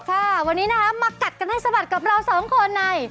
ค่ะวันนี้นะคะมากัดกันให้สะบัดกับเราสองคนใน